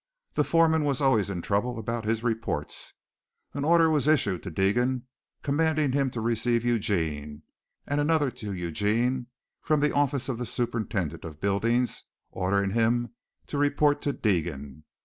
The foreman was always in trouble about his reports. An order was issued to Deegan commanding him to receive Eugene, and another to Eugene from the office of the Superintendent of Buildings ordering him to report to Deegan.